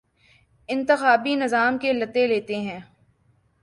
انتخابی نظام کے لتے لیتے ہیں